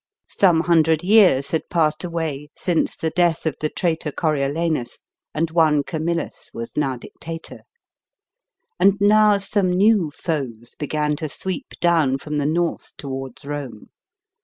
Some hundred years had passed away, since the death of the traitor Coriolanus, and one Camillus was now Dictator. And now some new foes began to sweep down, from the north, towards Rome.